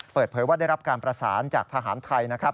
เปิดเผยว่าได้รับการประสานจากทหารไทยนะครับ